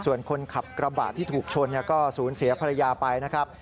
ส่วนคนขับกระบะที่ถูกชนก็สูญเสียภรรยาไปนะครับ